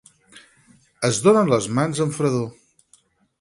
Es donen les mans amb fredor.